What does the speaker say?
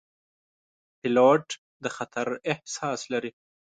پیلوټ د خطر احساس لري.